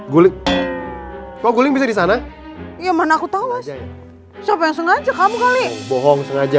guling kok guling bisa di sana ya mana aku tahu gak siapa yang sengaja kamu kali bohong sengaja